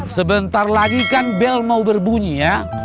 sebentar lagi kan bel mau berbunyi ya